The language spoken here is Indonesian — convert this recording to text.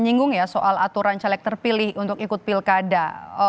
menyinggung ya soal aturan caleg terpilih untuk ikut pilkada